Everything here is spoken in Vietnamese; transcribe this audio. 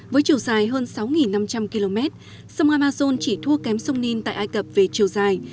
với chiều dài hơn sáu năm trăm linh km sông amazon chỉ thua kém sông nin tại ai cập về chiều dài